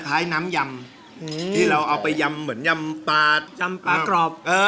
คล้ายน้ำยำที่เราเอาไปยำเหมือนยำปลายำปลากรอบเออ